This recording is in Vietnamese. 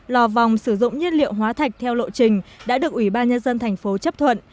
lò vòng sử dụng nhiên liệu hóa thạch theo lộ trình đã được ủy ban nhân dân thành phố chấp thuận